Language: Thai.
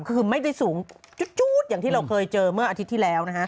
คือไม่ได้สูงจู๊ดอย่างที่เราเคยเจอเมื่ออาทิตย์ที่แล้วนะฮะ